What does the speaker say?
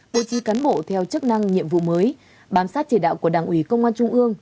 bố trí cán bộ theo chức năng nhiệm vụ mới bám sát chỉ đạo của đảng ủy công an trung ương